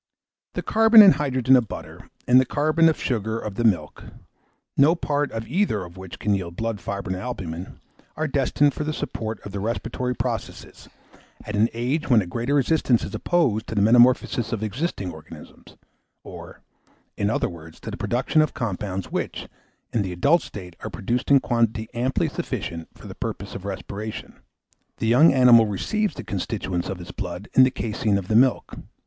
The carbon and hydrogen of butter, and the carbon of the sugar of milk, no part of either of which can yield blood, fibrine, or albumen, are destined for the support of the respiratory process, at an age when a greater resistance is opposed to the metamorphosis of existing organisms; or, in other words, to the production of compounds, which, in the adult state, are produced in quantity amply sufficient for the purpose of respiration. The young animal receives the constituents of its blood in the caseine of the milk.